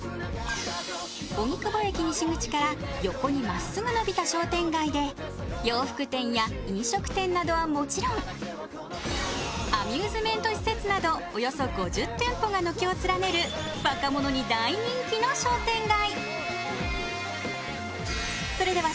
荻窪駅西口から横にまっすぐ伸びた商店街で、洋服店や飲食店などはもちろん、アミューズメント施設などおよそ５０店舗が軒を連ねる若者に大人気の商店街。